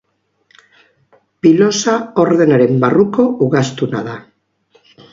Pilosa ordenaren barruko ugaztuna da.